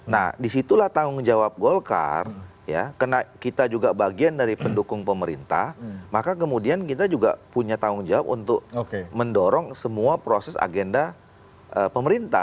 nah disitulah tanggung jawab golkar ya karena kita juga bagian dari pendukung pemerintah maka kemudian kita juga punya tanggung jawab untuk mendorong semua proses agenda pemerintah